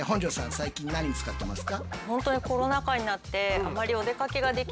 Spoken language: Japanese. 最近何に使ってますか？